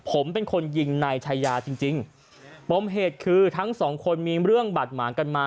ผมเป็นคนยิงนายชายาจริงจริงปมเหตุคือทั้งสองคนมีเรื่องบาดหมางกันมา